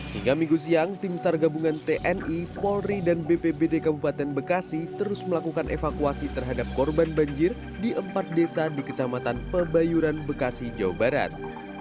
hingga minggu siang tim sar gabungan tni polri dan bpbd kabupaten bekasi terus melakukan evakuasi terhadap korban banjir di empat desa di kecamatan pebayuran bekasi jawa barat